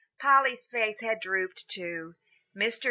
Polly's face had drooped, too. Mr.